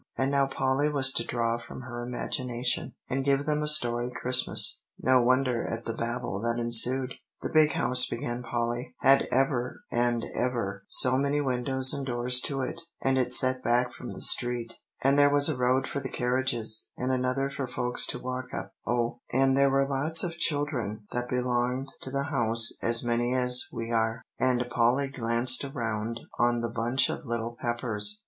And now Polly was to draw from her imagination, and give them a story Christmas. No wonder at the babel that ensued. "The Big House," began Polly, "had ever and ever so many windows and doors to it, and it set back from the street; and there was a road up for the carriages, and another for folks to walk up oh, and there were lots of children that belonged to the house, as many as we are," and Polly glanced around on the bunch of little Peppers.